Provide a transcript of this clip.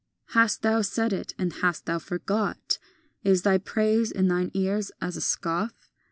VII Hast thou said it, and hast thou forgot? Is thy praise in thine ears as a scoff?